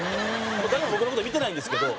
誰も僕の事見てないんですけど。